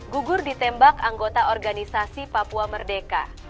gugur ditembak anggota organisasi papua merdeka